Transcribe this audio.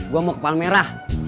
gua mau ke palmera